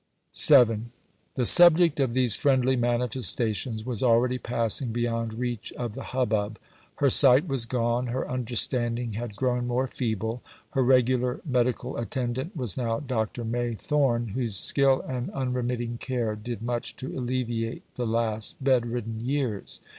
VII The subject of these friendly manifestations was already passing beyond reach of the hubbub. Her sight was gone. Her understanding had grown more feeble. Her regular medical attendant was now Dr. May Thorne, whose skill and unremitting care did much to alleviate the last bed ridden years.